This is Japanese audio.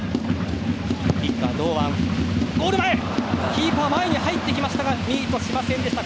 キーパー、前に入ってきましたがミートしませんでした。